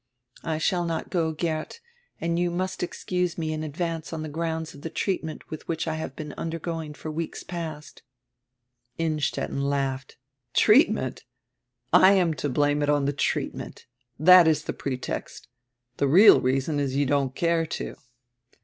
"I shall not go, Geert, and you must excuse me in advance on the ground of the treatment which I have been undergoing for weeks past." Innstetten laughed. "Treatment. I am to blame it on the treatment. That is the pretext. The real reason is you don't care to."